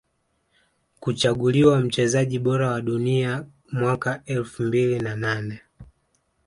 Kuchaguliwa mchezaji bora wa Dunia mwaka elfu mbili na nane